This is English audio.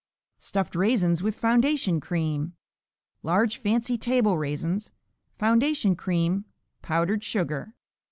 Stuffed Raisins with Foundation Cream Large fancy table raisins. Foundation cream. Powdered sugar.